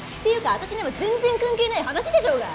私には全然関係ない話でしょうが。